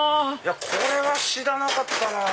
これは知らなかったなぁ。